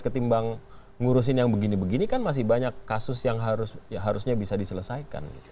ketimbang ngurusin yang begini begini kan masih banyak kasus yang harusnya bisa diselesaikan